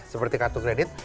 seperti kartu kredit